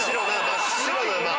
真っ白な馬！